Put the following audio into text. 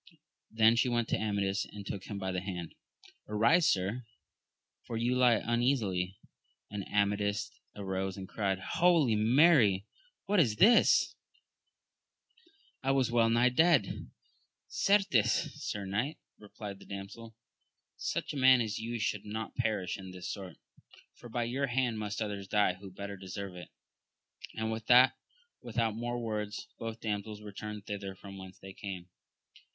Then she went to Amadis, and took him by the hand !— Arise, Sir, for you lie un easily ? and Amadis arose and cried, Holy Mary ! what is this ? I was well nigh dead. Certes, sir knight, replied the damsel, such a man as you should not perish in this sort, for by your hand must others die who better deserve it ! and with that, without more words, both damsels returned thither from whence they came.